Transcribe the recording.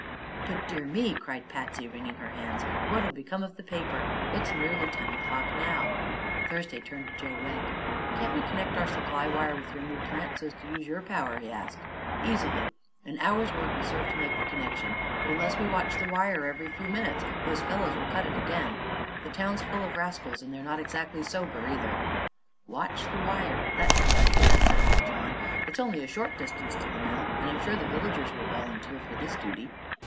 "But, dear me!" cried Patsy, wringing her hands; "what'll become of the paper? It's nearly ten o'clock now." Thursday turned to Joe Wegg. "Can't we connect our supply wire with your new plant, so as to use your power?" he asked. "Easily. An hour's work will serve to make the connection. But unless we watch the wire every minute those fellows will cut it again. The town's full of the rascals, and they're not exactly sober, either." "Watch the wire; that's the idea," said Uncle John. "It's only a short distance to the mill, and I'm sure the villagers will volunteer for this duty."